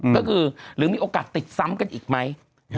ก็คือหรือมีโอกาสติดซ้ำกันอีกไหม